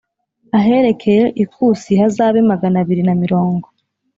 aherekeye ikusi hazabe magana abiri na mirongo